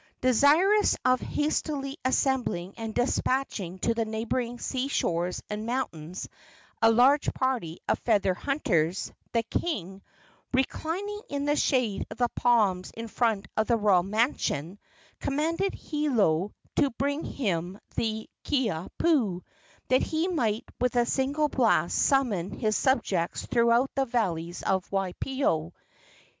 Desirous of hastily assembling and despatching to the neighboring sea shores and mountains a large party of feather hunters, the king, reclining in the shade of the palms in front of the royal mansion, commanded Hiolo to bring to him the Kiha pu, that he might with a single blast summon his subjects throughout the valleys of Waipio.